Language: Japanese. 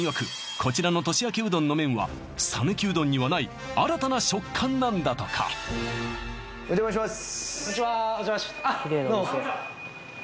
こちらの年明けうどんの麺は讃岐うどんにはない新たな食感なんだとかお邪魔します